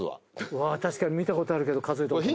うわっ確かに見たことあるけど数えたことない。